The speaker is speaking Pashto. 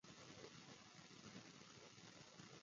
ډیره پکه دي پخه کړی ده